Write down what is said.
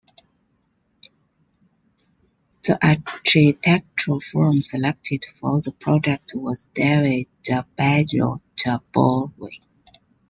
The architectural firm selected for the project was David-Barott-Boulva.